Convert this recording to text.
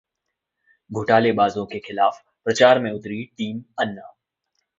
घोटालेबाजों के खिलाफ प्रचार में उतरी टीम अन्ना